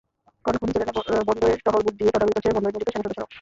কর্ণফুলী চ্যানেলে বন্দরের টহল বোট দিয়ে তদারকি করছে বন্দরে নিয়োজিত সেনাসদস্যরাও।